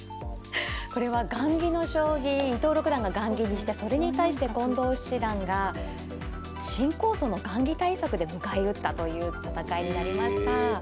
これは雁木の将棋伊藤六段が雁木にしてそれに対して近藤七段が新構想の雁木対策で迎え撃ったという戦いになりました。